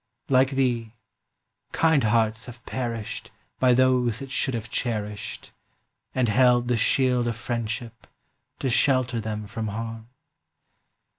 Like thee, kind hearts have perish’d By those that should have cherish’d, And held the shield of friendship to shelter them from harm.